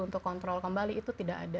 untuk kontrol kembali itu tidak ada